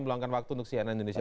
meluangkan waktu untuk cnn indonesia